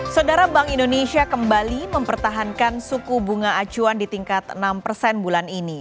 saudara bank indonesia kembali mempertahankan suku bunga acuan di tingkat enam persen bulan ini